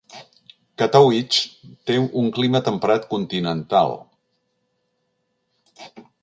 Katowice té un clima temperat continental.